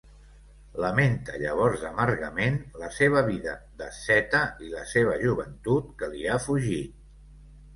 Lamenta llavors amargament la seva vida d'asceta i la seva joventut que li ha fugit.